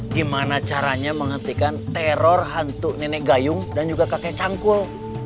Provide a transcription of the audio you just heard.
gimana caranya menghentikan teror hantu nenek gayung dan juga kakek cangkul